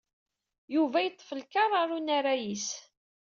Yuba yeṭṭef lkar ar unaray-is.